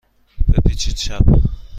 بپیچید چپ.